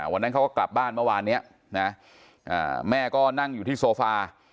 วันนั้นเขาก็กลับบ้านเมื่อวานนี้นะแม่ก็นั่งอยู่ที่โซฟา